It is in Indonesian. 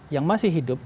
yang masih hidup